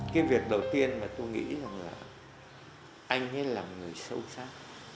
cái việc đầu tiên mà tôi nghĩ là anh ấy là một người sâu sắc